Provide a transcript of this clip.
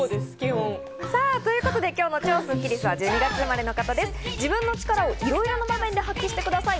今日の超スッキりすは１２月生まれの方です。